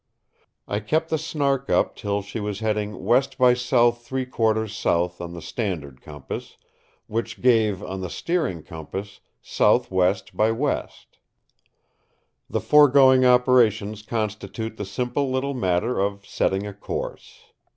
I kept the Snark up till she was heading west by south three quarters south on the standard compass, which gave, on the steering compass, south west by west. The foregoing operations constitute the simple little matter of setting a course.